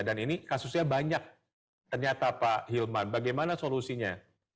dan ini kasusnya banyak ternyata pak hilman bagaimana solusinya